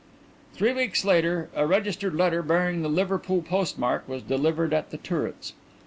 Three weeks later a registered letter bearing the Liverpool postmark was delivered at The Turrets.